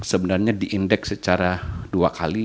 sebenarnya diindeks secara dua kali